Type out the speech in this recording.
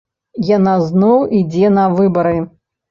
Яна зноў ідзе на выбары.